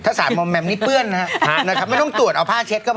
ถ้าสารมอมแมมนี่เปื้อนนะครับนะครับไม่ต้องตรวจเอาผ้าเช็ดก็พอ